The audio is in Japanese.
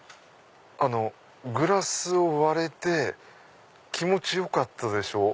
「グラス割れて気持ちよかったでしょう。